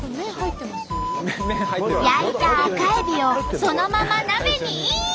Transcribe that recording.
焼いたアカエビをそのまま鍋にイン！